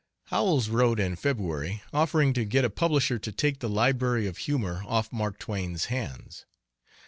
Howells wrote, in February, offering to get a publisher to take the Library of Humor off Mark Twain's hands.